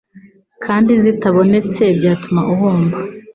kandi zitabonetse byatuma uhomba